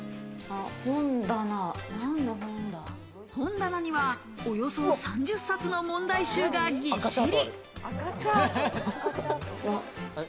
本棚にはおよそ３０冊の問題集がぎっしり。